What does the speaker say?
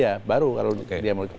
ya baru kalau dia